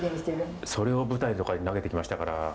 それを舞台とかに投げてきましたから。